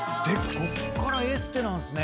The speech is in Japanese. こっからエステなんすね。